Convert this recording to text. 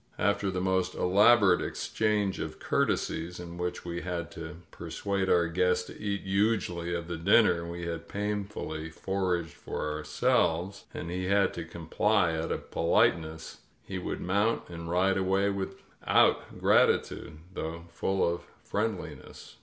After the most elaborate exchange of courtesies, in which we had to persuade our guest to eat hugely of the dinner we had painfully foraged for ourselves, and he had to comply out of politeness, he would mount and ride away without grati tude, though full of friendliness.